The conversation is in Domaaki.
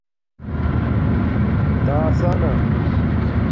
دَاسݳنہ